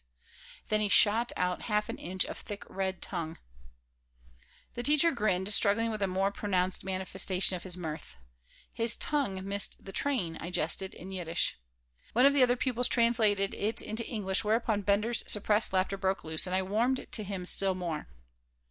and then he shot out half an inch of thick red tongue The teacher grinned, struggling with a more pronounced manifestation of his mirth "His tongue missed the train," I jested, in Yiddish One of the other pupils translated it into English, whereupon Bender's suppressed laughter broke loose, and I warmed to him still more.